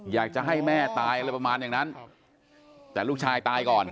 อยากจะให้แม่ตายอะไรประมาณอย่างนั้นแต่ลูกชายตายก่อน